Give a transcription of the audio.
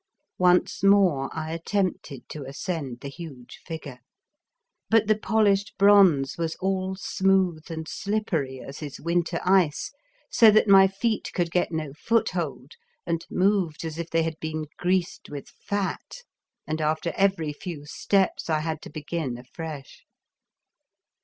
Once more I attempted to ascend the huge figure, but the pol ished bronze was all smooth and slip pery as is winter ice, so that my feet could get no foothold and moved as if they had been greased with fat, and after every few steps I had to begin afresh.